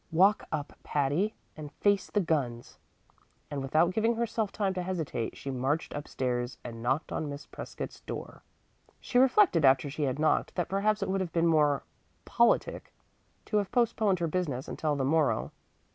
"Walk up, Patty, and face the guns"; and without giving herself time to hesitate she marched up stairs and knocked on Miss Prescott's door. She reflected after she had knocked that perhaps it would have been more politic to have postponed her business until the morrow.